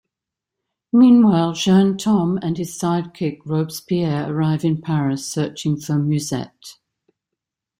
Meanwhile, Jaune Tom and his sidekick Robespierre arrive in Paris, searching for Mewsette.